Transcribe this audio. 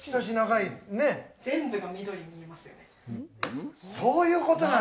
全部が緑に見えますよね。